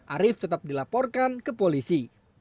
arief tetap dilaporkan ke polisi